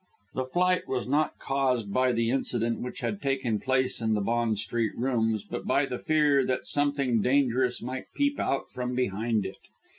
The flight was not caused by the incident which had taken place in the Bond Street rooms, but by the fear that something dangerous might peep out from behind it.